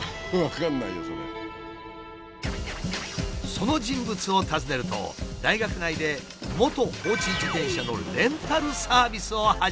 その人物を訪ねると大学内で元放置自転車のレンタルサービスを始めていた。